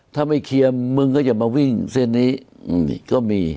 ถ้าไม่เคลียร์มึงก็จะมาวิ่งเส้นนี้ก็มี